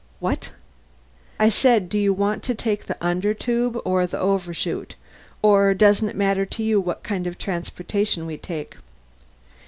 "What?" "I said, do you want to take the Undertube or the Overshoot? Or doesn't it matter to you what kind of transportation we take?"